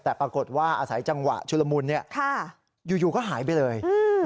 แต่ปรากฏว่าอาศัยจังหวะชุลมุนอยู่ก็หายไปเลย